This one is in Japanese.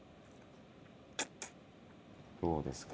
どうですか？